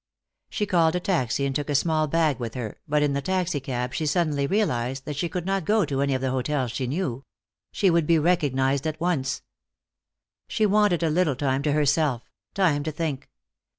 She called a taxi and took a small bag with her, but in the taxicab she suddenly realized that she could not go to any of the hotels she knew. She would be recognized at once. She wanted a little time to herself, time to think.